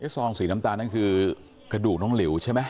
ซองสีน้ำตาลนั่นคือกระดูกน้องหลิวใช่ไหม